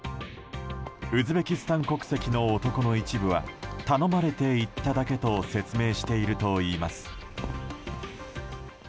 ウズベキスタン国籍の男の一部は頼まれて行っただけと説明しているといいます。